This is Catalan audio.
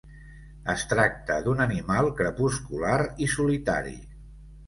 Es tracta d'un animal crepuscular i solitari.